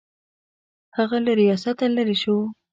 هغه له ریاسته لیرې شو.